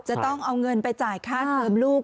จะต้องเอาเงินไปจ่ายค่าเทิมลูก